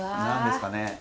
何ですかね？